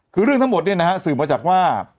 คือเรื่องทั้งหมดเนี่ยนะฮะสืบมาจากว่า